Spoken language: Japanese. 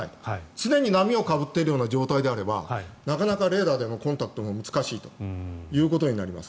常に波をかぶってる状態であればなかなかレーダーでのコンタクトも難しいということになります。